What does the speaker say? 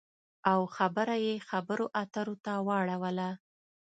او خبره یې خبرو اترو ته واړوله